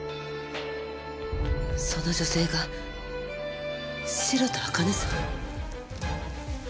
その女性が白田朱音さん？